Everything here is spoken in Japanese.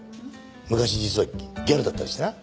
昔実はギャルだったりしてな。